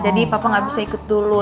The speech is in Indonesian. jadi papa nggak bisa ikut dulu